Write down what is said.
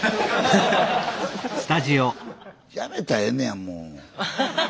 やめたらええねやもう。ねえ？